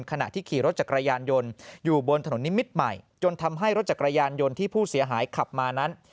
ขณะที่ขี่รถจักรยานยนต์อยู่บนถนนนิมิตรใหม่จนทำให้รถจักรยานยนต์ที่ผู้เสียหายขับมานั้น